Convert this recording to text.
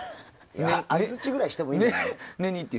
相槌ぐらいしてもいいんじゃない。